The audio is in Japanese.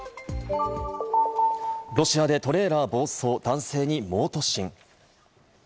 ロシアでトレーラー暴走、男性に猛突進。